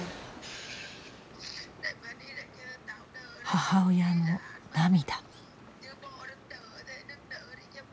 母親の涙。